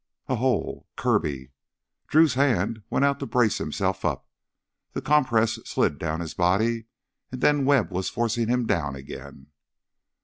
A hole! Kirby! Drew's hand went out to brace himself up, the compress slid down his body, and then Webb was forcing him down again.